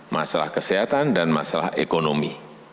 masalah kesehatan dan masalah ekonomi